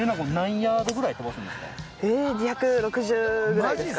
２６０ぐらいですかね。